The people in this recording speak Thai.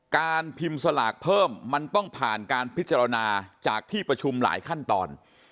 การพิมพ์สลากเพิ่มมันต้องผ่านการพิจารณาจากที่ประชุมหลายขั้นตอน